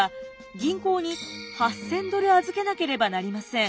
銀行に８，０００ドル預けなければなりません。